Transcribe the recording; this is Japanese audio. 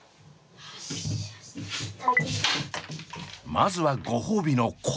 まずはご褒美の氷。